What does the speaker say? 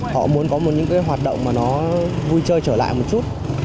họ muốn có những hoạt động mà nó vui chơi trở lại một chút